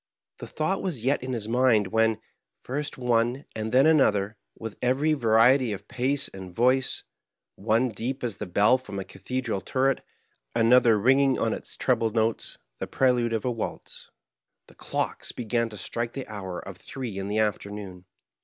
The thought was yet in his mind, when, first one and then another, with every variety of pace and voice— one deep as the bell from a cathedral turret, another ringing on its treble notes the prelude of a waltz — ^the clocks began to strike the hour of three in the afternoon.